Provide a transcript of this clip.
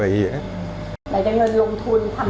ไหนจังเงินลงทุนทำธุรกิจที่เก่งไป